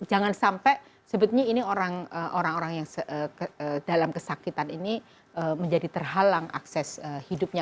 jangan sampai sebetulnya ini orang orang yang dalam kesakitan ini menjadi terhalang akses hidupnya